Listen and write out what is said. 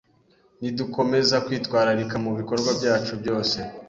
Nidukomeza kwitwararika mu bikorwa byacu byose